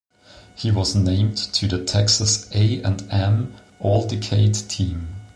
He was named to the Texas A and M All-Decade Team.